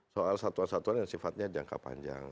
soal satuan satuan yang sifatnya jangka panjang